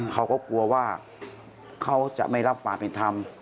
เขาก็กลัวว่าเขาจะไม่รับความเป็นธรรม